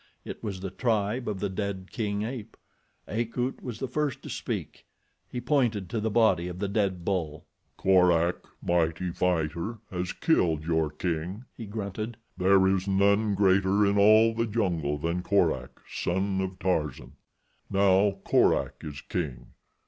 It was the tribe of the dead king ape. Akut was the first to speak. He pointed to the body of the dead bull. "Korak, mighty fighter, has killed your king," he grunted. "There is none greater in all the jungle than Korak, son of Tarzan. Now Korak is king.